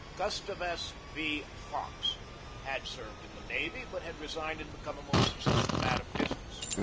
Gustavus V. Fox had served in the navy, but had resigned and become a most successful man of busi ness.